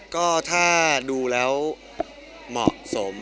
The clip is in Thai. ก็ถ้าดูแล้วเหมาะสม